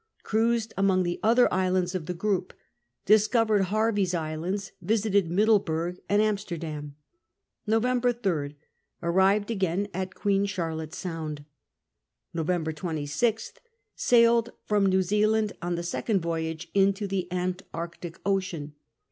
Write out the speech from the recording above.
Cruised among the other islands of the group. Discovered Hervey's Islands. Visited Middleburg and Amsterdam. Nov, Tird, Arrived again at Queen Charlotte Sound. Nov. 26/A Sailed from New Zealand on the second voyage into the Antarctic Ocean.